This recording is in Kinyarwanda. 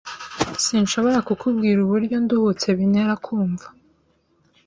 Sinshobora kukubwira uburyo nduhutse bintera kumva.